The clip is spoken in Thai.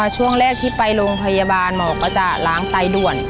ช่วงแรกที่ไปโรงพยาบาลหมอก็จะล้างไตด่วน